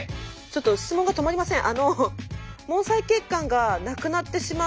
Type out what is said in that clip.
ちょっと質問が止まりません。